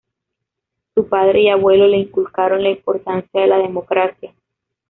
Su padre y abuelo le inculcaron la importancia de la democracia.